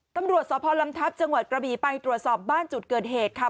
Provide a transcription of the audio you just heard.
ตำรวจสพลำทัพจังหวัดกระบีไปตรวจสอบบ้านจุดเกิดเหตุค่ะ